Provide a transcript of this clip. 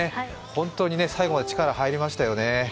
本当に最後まで力入りましたよね。